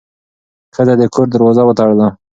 ښځه د کور دروازه وتړله.